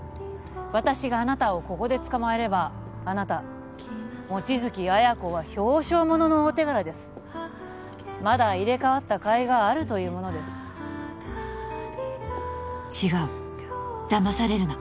私があなたをここで捕まえればあなた望月彩子は表彰ものの大手柄ですまだ入れ替わったかいがあるというものです違うだまされるな